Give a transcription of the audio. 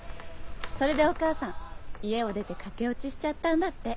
それでお母さん家を出て駆け落ちしちゃったんだって。